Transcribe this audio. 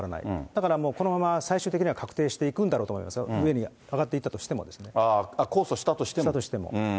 だから、このまま、最終的には確定していくんだろうと思います、上に上がっていった控訴したとしても？